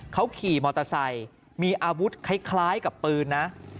เขาขี่มอเตอร์ไซค์มีอาวุธคล้ายกับปืนนะ